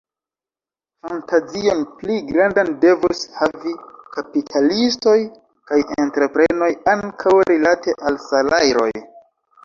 Fantazion pli grandan devus havi kapitalistoj kaj entreprenoj ankaŭ rilate al salajroj.